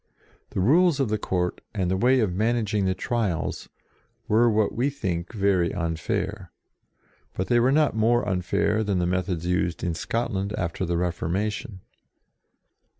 The rules of the Court, and the way of managing the trials, were what we think very unfair. But they were not more unfair than the methods used in Scotland after the Refor mation.